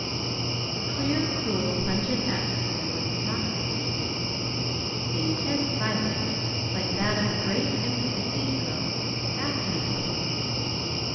The clear, cool, pungent atmosphere was intoxicating. The intense silence, like that of a great empty cathedral, fascinated him.